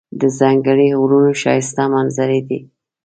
د ځنګلي غرونو ښایسته منظرې دي.